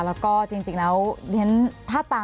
มีความรู้สึกว่ามีความรู้สึกว่า